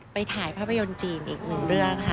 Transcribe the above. ถ่ายภาพยนตร์จีนอีกหนึ่งเรื่องค่ะ